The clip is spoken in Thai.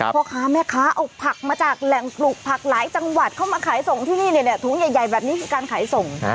พ่อค้าแม่ค้าเอาผักมาจากแหล่งปลูกผักหลายจังหวัดเข้ามาขายส่งที่นี่ถุงใหญ่แบบนี้คือการขายส่ง